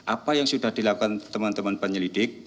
apa yang sudah dilakukan teman teman penyelidik